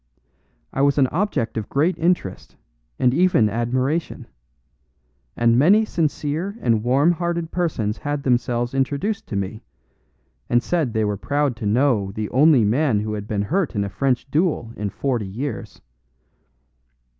I was an object of great interest, and even admiration; and many sincere and warm hearted persons had themselves introduced to me, and said they were proud to know the only man who had been hurt in a French duel in forty years.